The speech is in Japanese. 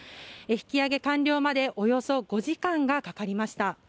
引き揚げ完了までおよそ５時間がかかりました。